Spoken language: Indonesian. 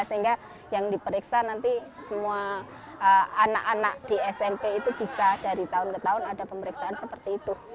sehingga yang diperiksa nanti semua anak anak di smp itu bisa dari tahun ke tahun ada pemeriksaan seperti itu